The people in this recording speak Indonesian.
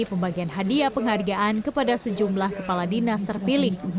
pembagian hadiah penghargaan kepada sejumlah kepala dinas terpilih